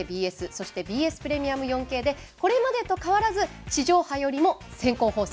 そして、ＢＳプレミアム４Ｋでこれまでと変わらず地上波よりも先行放送。